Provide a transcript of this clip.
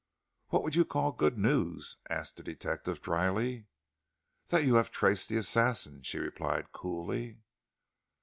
"What would you call good news?" asked the detective, dryly. "That you had traced the assassin," she replied coolly.